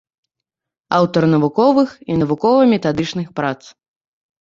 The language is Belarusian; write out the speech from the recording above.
Аўтар навуковых і навукова-метадычных прац.